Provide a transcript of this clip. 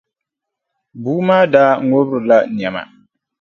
Bua maa daa ŋubirila nɛma.